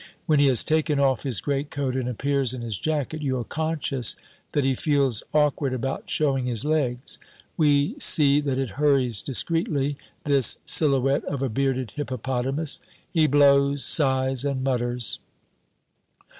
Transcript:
When he has taken off his greatcoat and appears in his jacket, you are conscious that he feels awkward about showing his legs. We see that it hurries discreetly, this silhouette of a bearded hippopotamus. He blows, sighs, and mutters.